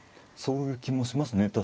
そういう気もしますね